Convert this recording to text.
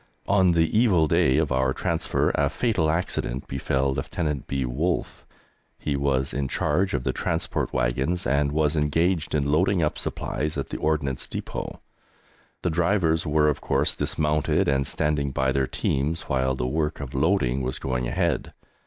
On the evil day of our transfer a fatal accident befell Lieutenant B. Wolffe. He was in charge of the transport wagons and was engaged in loading up supplies at the Ordnance Depôt. The drivers were, of course, dismounted and standing by their teams while the work of loading was going ahead.